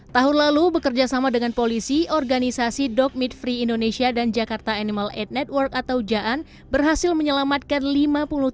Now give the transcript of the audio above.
tahun lalu bekerja sama dengan polisi organisasi dog meat free indonesia dan jakarta animal aid network atau jaan berhasil menyelamatkan lima puluh tiga